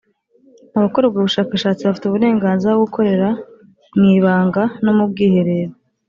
abakora ubwo bushakashatsi bafite uburenganzira bwo gukorera mu ibangano mu bwiherero.